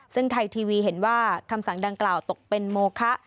ซึ่งไทยทีวีเห็นว่าคำสั่งดังกล่าวตกเป็นโมคะ